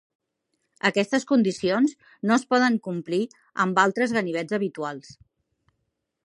Aquestes condicions no es poden complir amb altres ganivets habituals.